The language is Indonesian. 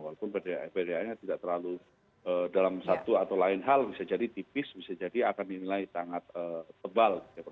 walaupun variannya tidak terlalu dalam satu atau lain hal bisa jadi tipis bisa jadi akan dinilai sangat tebal